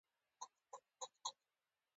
سانتیاګو له انګریز سره ملګری کیږي.